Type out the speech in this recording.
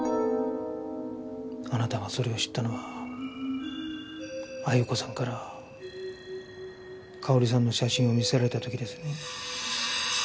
あなたがそれを知ったのは鮎子さんから佳保里さんの写真を見せられた時ですね？